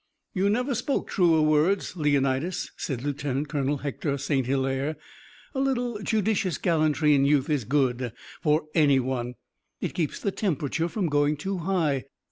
"You never spoke truer words, Leonidas," said Lieutenant Colonel Hector St. Hilaire. "A little judicious gallantry in youth is good for any one. It keeps the temperature from going too high.